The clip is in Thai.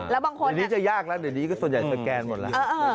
เดี๋ยวนี้จะยากแล้วเดี๋ยวนี้ก็ส่วนใหญ่สแกนหมดแล้ว